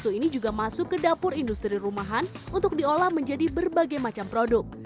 susu ini juga masuk ke dapur industri rumahan untuk diolah menjadi berbagai macam produk